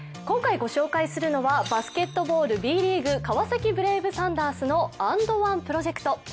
今回、御紹介するのはバスケットボール・Ｂリーグ川崎ブレイブサンダースの「＆ＯＮＥ」プロジェクト。